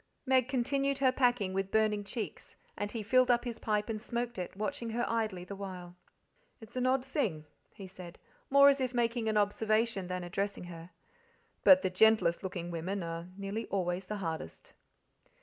Meg continued her packing with burning cheeks, and he filled up his pipe and smoked it, watching her idly the while. "It's an odd thing," he said, more as if making an observation than addressing her, "but the gentlest looking women are nearly always the hardest."